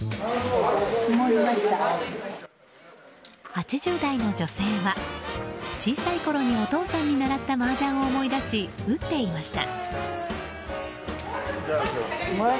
８０代の女性は小さいころにお父さんに習ったマージャンを思い出し打っていました。